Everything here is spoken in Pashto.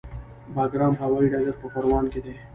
د بګرام هوايي ډګر په پروان کې دی